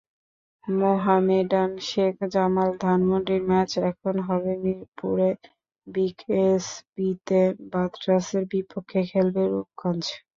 মোহামেডান-শেখ জামাল ধানমন্ডির ম্যাচ এখন হবে মিরপুরে, বিকেএসপিতে ব্রাদার্সের বিপক্ষে খেলবে রূপগঞ্জ।